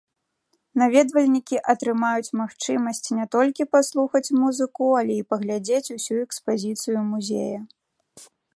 Наведвальнікі атрымаюць магчымасць не толькі паслухаць музыку, але і паглядзець усю экспазіцыю музея.